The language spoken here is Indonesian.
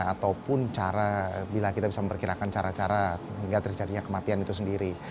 ataupun cara bila kita bisa memperkirakan cara cara hingga terjadinya kematian itu sendiri